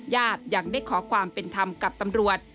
ยังได้ขอความเป็นธรรมกับตำรวจ